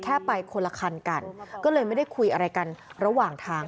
แค่ไปคนละคันกันก็เลยไม่ได้คุยอะไรกันระหว่างทาง